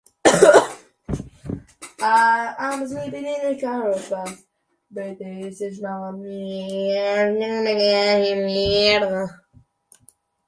天這麼黑